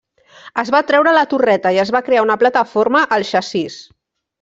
Es va treure la torreta, i es va crear una plataforma al xassís.